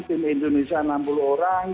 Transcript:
tim indonesia enam puluh orang